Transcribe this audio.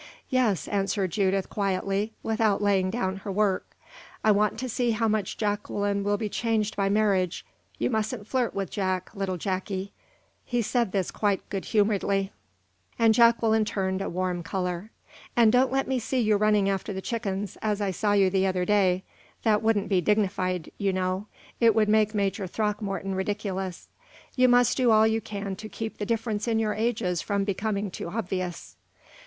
"Yes," answered Judith, quietly, without laying down her work. "I want to see how much Jacqueline will be changed by marriage You mustn't flirt with Jack, little Jacky." He said this quite good humoredly, and Jacqueline turned a warm color. "And don't let me see you running after the chickens, as I saw you the other day. That wouldn't be dignified, you know; it would make Major Throckmorton ridiculous. You must do all you can to keep the difference in your ages from becoming too obvious."